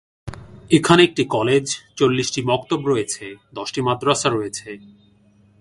এখানে একটি কলেজ, চল্লিশটি মক্তব রয়েছে, দশটি মাদ্রাসা রয়েছে।